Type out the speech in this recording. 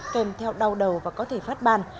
kèm theo đau đầu và có thể phát ban